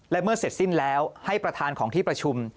และเมื่อเสร็จสิ้นแล้วให้ประธานของที่ประชุม